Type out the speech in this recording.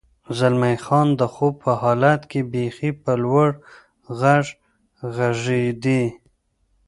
زلمی خان: د خوب په حالت کې بېخي په لوړ غږ غږېدې.